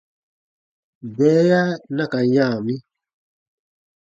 Bɛɛya na ka yã mi.